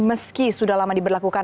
meski sudah lama diberlakukan